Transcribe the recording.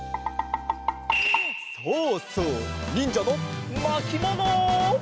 そうそうにんじゃのまきもの！